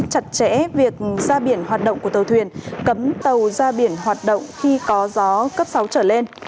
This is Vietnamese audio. chặt chẽ việc ra biển hoạt động của tàu thuyền cấm tàu ra biển hoạt động khi có gió cấp sáu trở lên